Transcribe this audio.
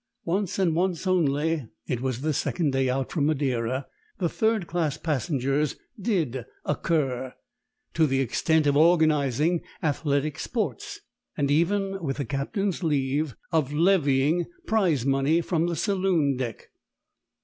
Once, and once only it was the second day out from Madeira the third class passengers did "occur," to the extent of organising athletic sports, and even (with the captain's leave) of levying prize money from the saloon deck.